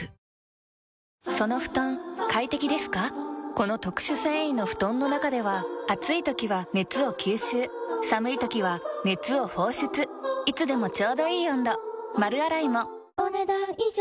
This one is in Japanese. この特殊繊維の布団の中では暑い時は熱を吸収寒い時は熱を放出いつでもちょうどいい温度丸洗いもお、ねだん以上。